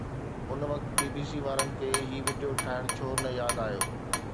ان وقت B B C Warren کي هي وڊيو ٺاهڻ ڇو نه ياد آيو؟